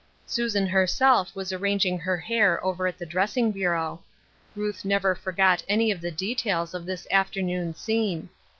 Susan herself was arranging her hair over at the dressing bureau. Ruth never forgot any of the details of this afternoon scene.